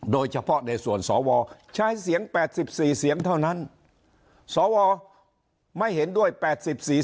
โดยเฉพาะในส่วนสวใช้เสียง๘๔เสียงเท่านั้นสวไม่เห็นด้วย๘๐เสียง